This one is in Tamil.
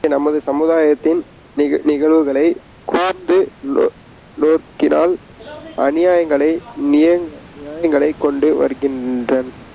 இன்றைய நமது சமுதாயத்தின் நிகழ்வுகளைக் கூர்ந்து நோக்கினால் அநியாயங்களே நியாயங்களாகிக் கொண்டு வருகின்றன்.